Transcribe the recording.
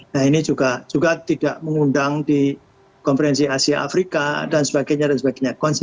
nah ini juga tidak mengundang di konferensi asia afrika dan sebagainya dan sebagainya